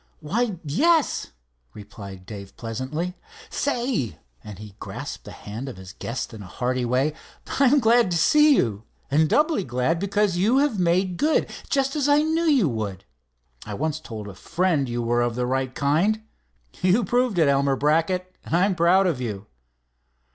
"Why, yes," replied Dave pleasantly. "Say," and he grasped the hand of his guest in a hearty way, "I am glad to see you, and doubly glad because you have made good, just as I knew you would. I once told a friend you were of the right kind. You've proved it, Elmer Brackett, and I'm proud of you."